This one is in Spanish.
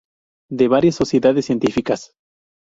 De varias sociedades científicas